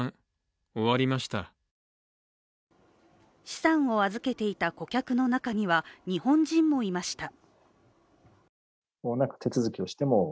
資産を預けていた顧客の中には日本人もいました。